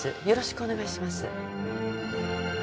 よろしくお願いします